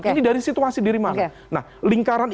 ini dari situasi dari mana nah lingkaran